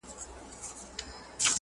دا هايبريډيټي مقاومتونه دي